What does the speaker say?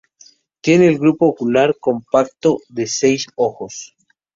Tiene el grupo ocular compacto de seis ojos.